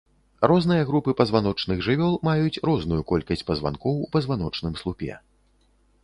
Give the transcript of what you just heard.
Розныя групы пазваночных жывёл маюць розную колькасць пазванкоў у пазваночным слупе.